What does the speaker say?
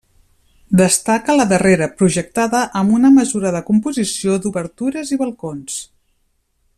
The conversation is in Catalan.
Destaca la darrera, projectada amb una mesurada composició d'obertures i balcons.